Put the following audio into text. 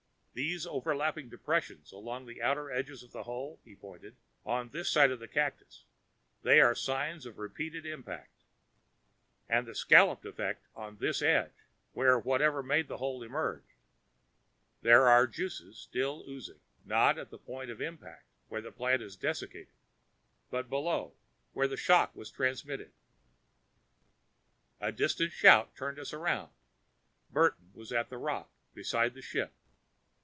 These overlapping depressions along the outer edges of the hole " he pointed "on this side of the cactus. They are the signs of repeated impact. And the scallop effect on this side, where whatever made the hole emerged. There are juices still oozing not at the point of impact, where the plant is desiccated, but below, where the shock was transmitted " A distant shout turned us around. Burton was at the rock, beside the ship.